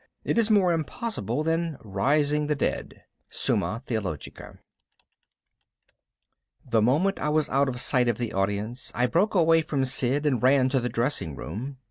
It is more impossible than rising the dead. Summa Theologica The moment I was out of sight of the audience I broke away from Sid and ran to the dressing room.